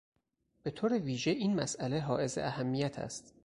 به طور ویژه این مساله حائز اهمیت است